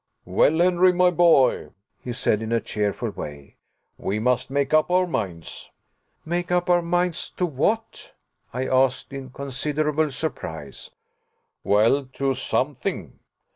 "Well, Henry, my boy," he said, in a cheerful way, "we must make up our minds." "Make up our minds to what?" I asked, in considerable surprise. "Well to something.